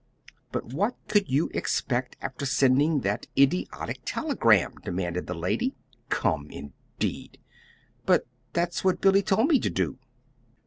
"But what could you expect after sending that idiotic telegram?" demanded the lady. "'Come,' indeed!" "But that's what Billy told me to do."